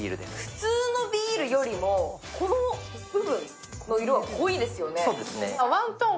普通のビールよりも、この部分の色が濃いですよね。